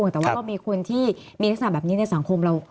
แต่ว่าก็มีคนที่มีลักษณะแบบนี้ในสังคมเรา